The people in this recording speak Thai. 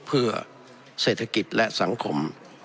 เพื่อเศรษฐกิจและสังคม